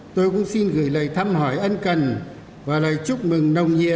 tôi cũng xin gửi lời thăm hỏi ân cần và lời chúc mừng nồng nhiệm